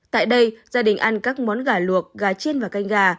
tại đây gia đình ăn các món gà luộc gà chiên và canh gà